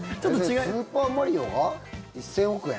「スーパーマリオ」が１０００億円？